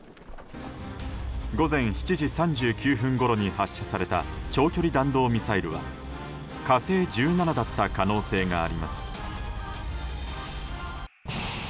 午前７時３９分ごろに発射された長距離弾道ミサイルは「火星１７」だった可能性があります。